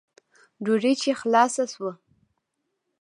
ډوډۍ چې خلاصه سوه.